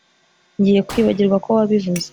Ngiye kwibagirwa ko wabivuze